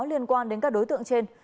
liên quan đến các đối tượng trên